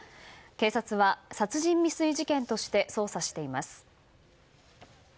警察は殺人未遂事件として捜査しています。